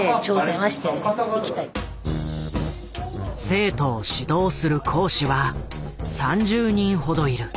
生徒を指導する講師は３０人ほどいる。